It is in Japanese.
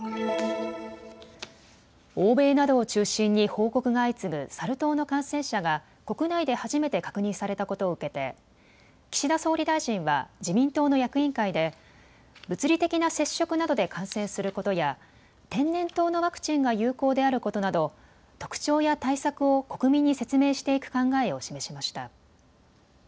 欧米などを中心に報告が相次ぐサル痘の感染者が国内で初めて確認されたことを受けて岸田総理大臣は自民党の役員会で物理的な接触などで感染することや天然痘のワクチンが有効であることなど特徴や対策を国民に説明していく考えを示しました。